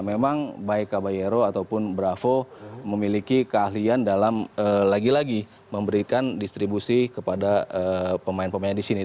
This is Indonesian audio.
memang baik cabairo ataupun bravo memiliki keahlian dalam lagi lagi memberikan distribusi kepada pemain pemain di sini